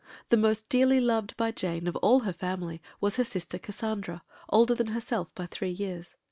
The most dearly loved by Jane of all her family was her sister Cassandra, older than herself by three years.